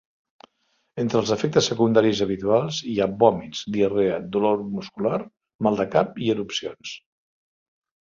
Entre els efectes secundaris habituals hi ha vòmits, diarrea, dolor muscular, mal de cap i erupcions.